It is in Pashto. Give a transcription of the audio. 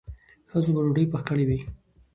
ښځو به ډوډۍ پخ کړې وي.